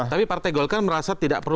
tapi partai golkar merasa tidak perlu